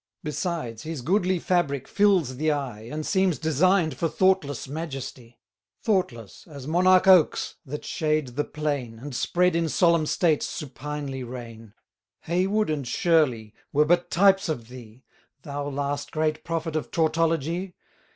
Besides, his goodly fabric fills the eye, And seems design'd for thoughtless majesty: Thoughtless as monarch oaks, that shade the plain, And, spread in solemn state, supinely reign. Heywood and Shirley were but types of thee, Thou last great prophet of tautology.